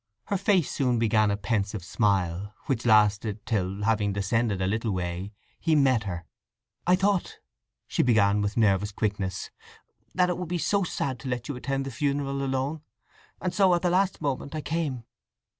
Her face soon began a pensive smile, which lasted till, having descended a little way, he met her. "I thought," she began with nervous quickness, "that it would be so sad to let you attend the funeral alone! And so—at the last moment—I came."